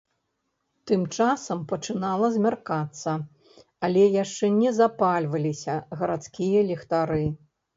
Тым часам пачынала змяркацца, але яшчэ не запальваліся гарадскія ліхтары.